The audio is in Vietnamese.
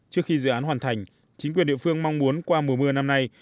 trước khi dự án hoàn thành chính quyền địa phương mong muốn qua mùa mưa năm nay